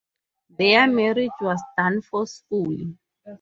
Their marriage was done forcefully.